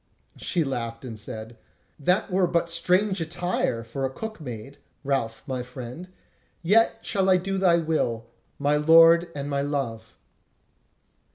She laughed and said: "That were but strange attire for a cook maid, Ralph, my friend; yet shall I do thy will, my lord and my love."